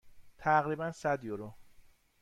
تقریبا صد یورو.